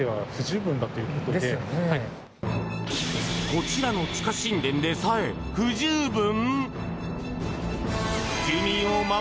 こちらの地下神殿さえ不十分？